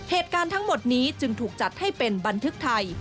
เหตุการณ์ทั้งหมดนี้จึงถูกจัดให้เป็นบันทึกไทย